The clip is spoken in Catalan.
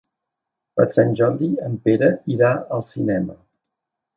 Per Sant Jordi en Pere irà al cinema.